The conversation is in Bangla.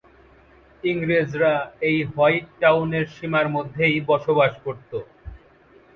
ইংরেজরা এই হোয়াইট টাউনের সীমার মধ্যেই বসবাস করত।